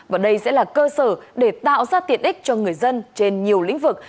và đây sẽ là cơ sở để tạo ra tiện ích cho người dân trên nhiều lĩnh vực